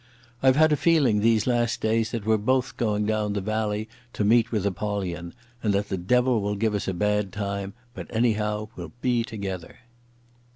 I've had a feel these last days that we're both going down into the Valley to meet with Apollyon, and that the devil will give us a bad time, but anyhow we'll be together.